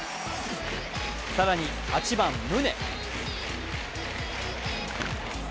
更に、８番・宗。